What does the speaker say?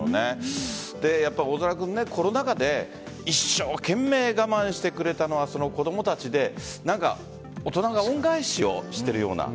大空君、コロナ禍で一生懸命我慢してくれたのは子供たちで大人が恩返しをしてるような。